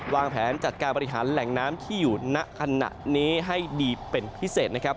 วางแผนจัดการบริหารแหล่งน้ำที่อยู่ณขณะนี้ให้ดีเป็นพิเศษนะครับ